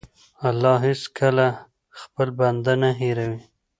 الله هېڅکله خپل بنده نه هېروي.